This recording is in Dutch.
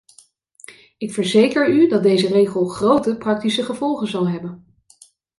Ik verzeker u dat deze regel grote praktische gevolgen zal hebben.